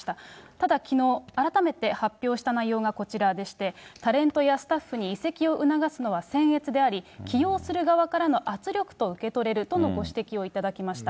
ただ、きのう、改めて発表した内容がこちらでして、タレントやスタッフに移籍を促すのはせんえつであり、起用する側からの圧力と受け取れるとのご指摘をいただきました。